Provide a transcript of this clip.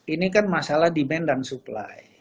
ini kan masalah demand dan supply